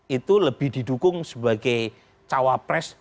itu lebih didukung sebagai cawapres